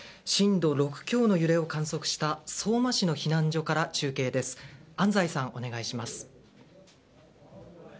震度６強の揺れを観測した相馬市の避難所から中継です。